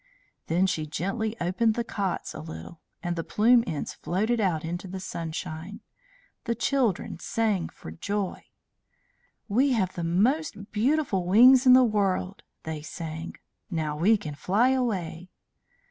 Then she gently opened the cots a little, and the plume ends floated out into the sunshine. The children sang for joy. "We have the most beautiful wings in the world," they sang. "Now we can fly away."